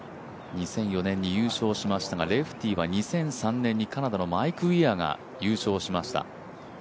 ２００４年に優勝しましたが、レフティーが２００３年にレフティはカナダのマイク・ウィアが優勝しました。